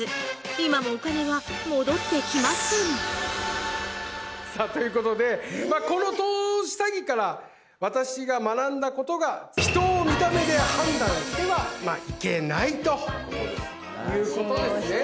今もお金は戻ってきませんさあということでこの投資詐欺から私が学んだことが人を見た目で判断してはいけないということですね。